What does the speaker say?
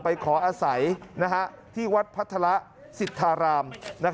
ไปขออาศัยที่วัดพัฒระสิทธาราม